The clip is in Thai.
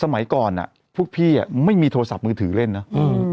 สมัยก่อนพวกพี่ไม่มีโทรศัพท์มือถือเล่นเนอะ